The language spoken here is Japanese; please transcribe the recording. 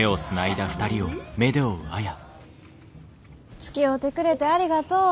つきおうてくれてありがとう。